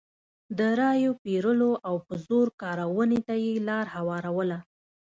د رایو پېرلو او په زور کارونې ته یې لار هواروله.